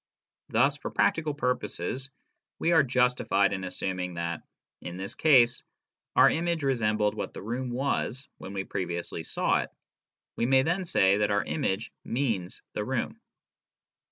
Thus for practical purposes we are justified in assuming that, in this case, our image resembled what the room was when we previously saw it. We may then say that our image " means " the room.